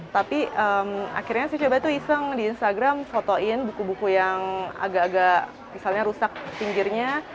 tapi akhirnya saya coba tuh iseng di instagram fotoin buku buku yang agak agak misalnya rusak pinggirnya